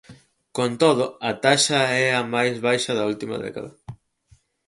Con todo, a taxa é a máis baixa da última década.